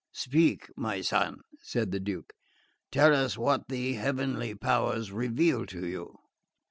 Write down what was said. "Speak, my son," said the Duke. "Tell us what the heavenly powers reveal to you."